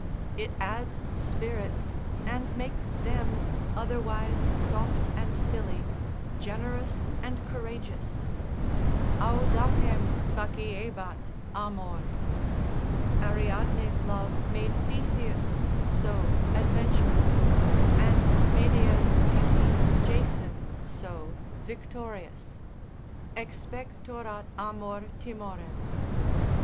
It adds spirits and makes them, otherwise soft and silly, generous and courageous, Audacem faciebat amor. Ariadne's love made Theseus so adventurous, and Medea's beauty Jason so victorious; expectorat amor timorem.